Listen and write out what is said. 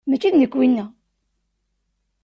Mačči d nekk winna.